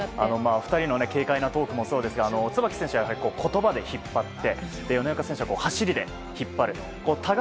２人の軽快なトークもそうですが椿選手は言葉で引っ張って米岡選手は走りで引っ張る。